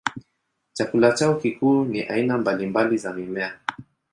Chakula chao kikuu ni aina mbalimbali za mimea.